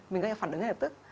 mình gây ra phản ứng rất là tức